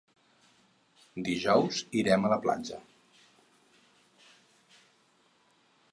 Dijous irem a la platja.